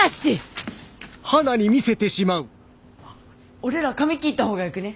俺ら髪切った方がよくね？